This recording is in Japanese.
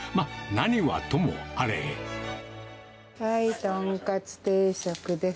はい、とんかつ定食です。